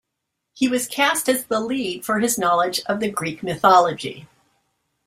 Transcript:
He was cast as the lead for his knowledge of the Greek Mythology.